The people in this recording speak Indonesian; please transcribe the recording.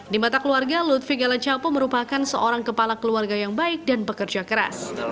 di mata keluarga lutfi gala capo merupakan seorang kepala keluarga yang baik dan pekerja keras